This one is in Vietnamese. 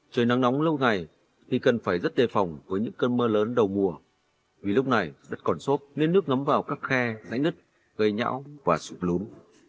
trời nắng nóng lâu ngày thi cân phải rất đề phòng với những cơn mưa lớn đầu mùa vì lúc này đất còn sốt nên nước ngấm vào các khe rãnh nứt gây nhão và sụp lún